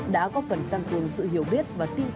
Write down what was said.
đã có phần tăng cường sự hiểu biết và tiến hành